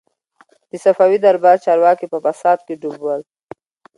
د صفوي دربار چارواکي په فساد کي ډوب ول.